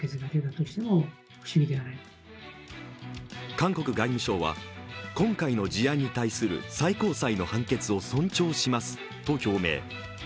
韓国外務省は、今回の事案に対する最高裁の判決を尊重しますと表明。